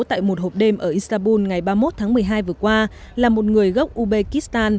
tại một hộp đêm ở istanbul ngày ba mươi một tháng một mươi hai vừa qua là một người gốc ubkistan